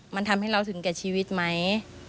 มันทำให้เราถึงแก่ชีวิตไหม